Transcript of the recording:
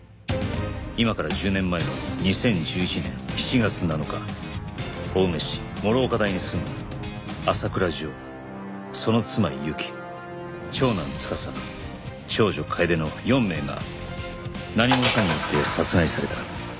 今から１０年前の２０１１年７月７日青梅市師岡台に住む浅倉譲その妻・雪長男・司長女・楓の４名が何者かによって殺害された